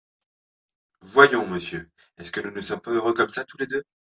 Voyons, monsieur, est-ce que nous ne sommes pas heureux comme ça, tous les deux ?